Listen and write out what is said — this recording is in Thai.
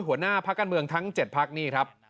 หัวหน้าพักการเมืองทั้ง๗พักนี่ครับ